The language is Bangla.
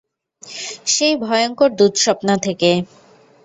সেই ভয়ংকর দুঃস্বপ্ন থেকে।